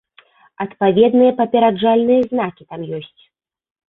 Адпаведныя папераджальныя знакі там ёсць.